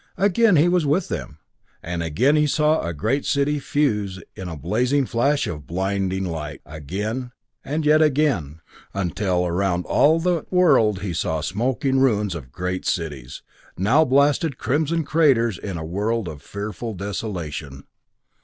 Again he was with them and again he saw a great city fuse in a blazing flash of blinding light again and yet again until around all that world he saw smoking ruins of great cities, now blasted crimson craters in a world of fearful desolation.